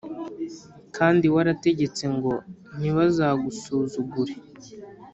kandi warategetse ngo ntibazagusuzugure